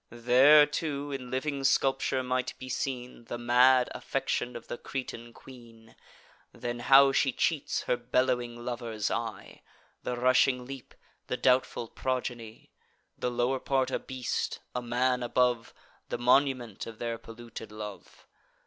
There too, in living sculpture, might be seen The mad affection of the Cretan queen; Then how she cheats her bellowing lover's eye; The rushing leap, the doubtful progeny, The lower part a beast, a man above, The monument of their polluted love.